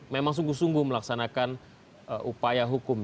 memang sungguh sungguh melaksanakan upaya hukum